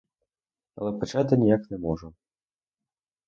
Але почати ніяк не можу.